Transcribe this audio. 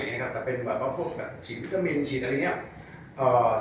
แต่เป็นแบบว่าพวกฉีดวิตามินฉีดอะไรอย่างเงี้ย